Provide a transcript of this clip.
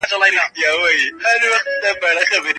تاسو بايد د پوهي په ډګر کي فعال واوسئ.